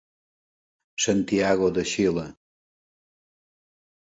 Santiago de Xile: